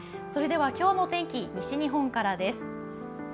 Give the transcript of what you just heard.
それでは今日のお天気、西日本からです。